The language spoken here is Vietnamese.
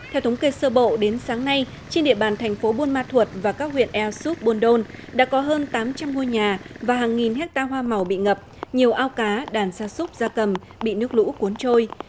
theo thống kê sơ bộ đến sáng nay trên địa bàn thành phố buôn ma thuột và các huyện eosup buôn đôn đã có hơn tám trăm linh ngôi nhà và hàng nghìn hecta hoa màu bị ngập nhiều ao cá đàn xa xúc ra cầm bị nước lũ cuốn trôi